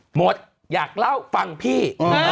หมดอยากเล่าฟังพี่